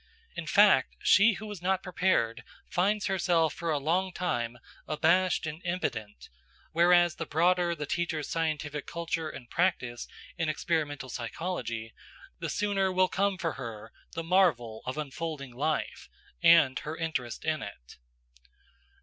In fact, she who is not prepared finds herself for a long time abashed and impotent; whereas the broader the teacher's scientific culture and practice in experimental psychology, the sooner will come for her the marvel of unfolding life, and her interest in it.